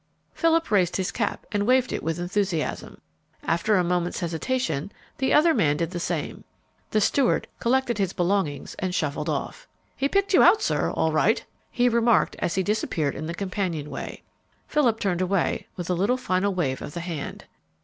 Philip raised his cap and waved it with enthusiasm. After a moment's hesitation, the other man did the same. The steward collected his belongings and shuffled off. "He picked you out, sir, all right," he remarked as he disappeared in the companionway. Philip turned away with a little final wave of the hand.